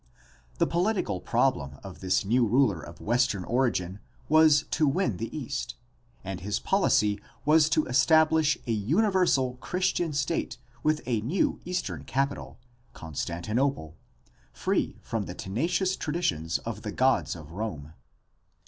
The political problem of this new ruler of DEVELOPMENT OF THE CATHOLIC CHURCH 335 Western origin was to win the East, and his poHcy was to establish a universal Christian state with a new Eastern capital, Constantinople, free from the tenacious traditions of the gods of Rome.